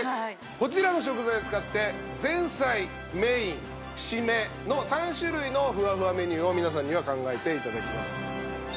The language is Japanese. こちらの食材を使って前菜・メイン・締めの３種類のふわふわメニューを皆さんには考えていただきます。